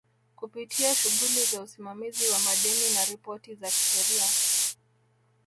kupitia shughuli za usimamizi wa madeni na ripoti za kisheria